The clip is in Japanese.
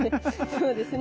そうですね。